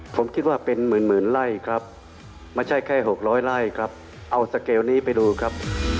ผมคิดว่าเป็นหมื่นไร่ครับไม่ใช่แค่๖๐๐ไร่ครับเอาสเกลนี้ไปดูครับ